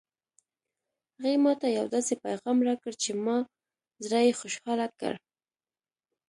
هغې ما ته یو داسې پېغام راکړ چې زما زړه یې خوشحاله کړ